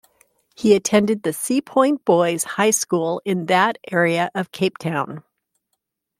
He attended the Seapoint Boys' High School in that area of Cape Town.